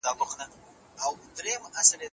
د دغي کوڅې په سر کي د هیلو یو نوی مرکز خلاص سو.